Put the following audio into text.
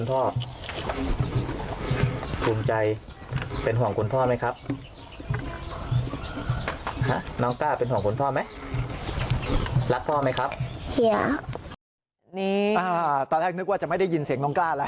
นี่ตอนแรกนึกว่าจะไม่ได้ยินเสียงน้องกล้าแล้ว